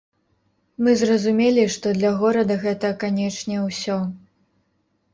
Мы зразумелі што для горада гэта, канечне, усё.